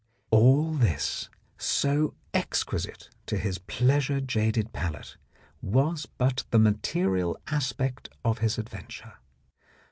All this, so exquisite to his pleasure jaded palate, was but the material aspect of his adventure.